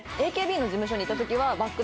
ＡＫＢの事務所にいた時は。